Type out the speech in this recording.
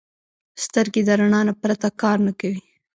سترګې د رڼا نه پرته کار نه کوي